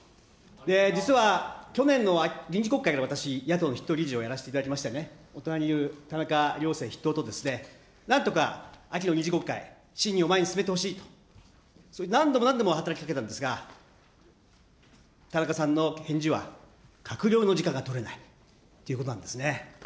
実は去年の臨時国会で私、野党筆頭理事をやらせていただきましてね、お隣にいる田中良生筆頭となんとか秋の臨時国会、審議を前に進めてほしいと、何度も何度も働きかけたんですが、田中さんの返事は閣僚の時間が取れないということなんですね。